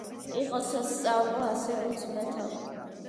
იყო სასწავლო ასეულის მეთაური.